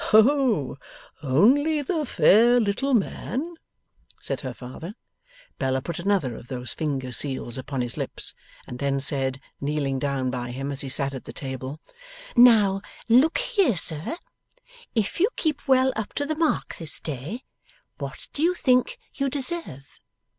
'Ho! Only the fair little man?' said her father. Bella put another of those finger seals upon his lips, and then said, kneeling down by him as he sat at table: 'Now, look here, sir. If you keep well up to the mark this day, what do you think you deserve?